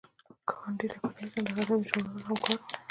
کانديد اکاډميسن هغه د علمي ژورنالونو همکار و.